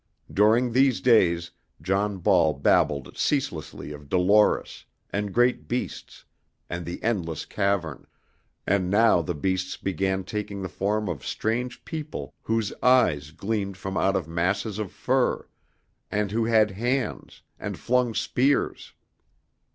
During these days John Ball babbled ceaselessly of Dolores, and great beasts, and the endless cavern; and now the beasts began taking the form of strange people whose eyes gleamed from out of masses of fur, and who had hands, and flung spears.